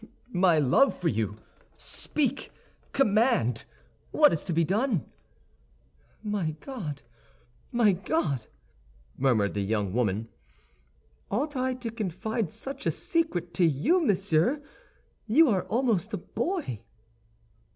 "My love for you. Speak! Command! What is to be done?" "My God, my God!" murmured the young woman, "ought I to confide such a secret to you, monsieur? You are almost a boy."